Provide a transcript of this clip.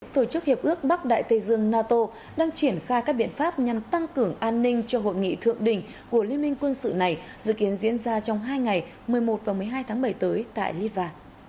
tổ chức hiệp ước bắc đại tây dương nato đang triển khai các biện pháp nhằm tăng cường an ninh cho hội nghị thượng đỉnh của liên minh quân sự này dự kiến diễn ra trong hai ngày một mươi một và một mươi hai tháng bảy tới tại litva